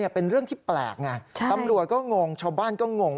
เป็นเรื่องที่แปลกไงตำรวจก็งงชาวบ้านก็งง